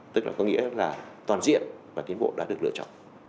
tức là có nghĩa là toàn diện và tiến bộ đã được lựa chọn